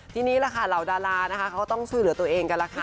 ที่นี่เหล่าดาราต้องช่วยเหลือตัวเองกันแหละค่ะ